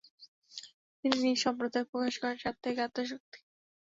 তিনি নিজ সম্পাদনায় প্রকাশ করেন সাপ্তাহিক আত্মশক্তি।